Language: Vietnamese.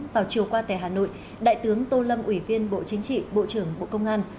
vào chiều qua tại hà nội đại tướng tô lâm ủy viên bộ chính trị bộ trưởng bộ công an